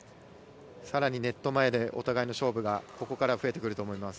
更にネット前でお互いの勝負がここから増えてくると思います。